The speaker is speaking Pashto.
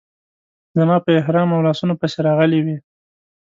زما په احرام او لاسونو پسې راغلې وې.